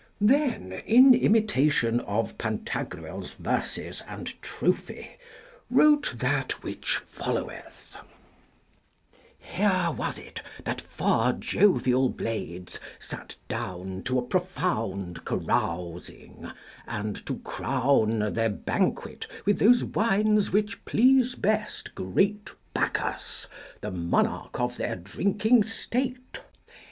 Then, in imitation of Pantagruel's verses and trophy, wrote that which followeth: Here was it that four jovial blades sat down To a profound carousing, and to crown Their banquet with those wines which please best great Bacchus, the monarch of their drinking state.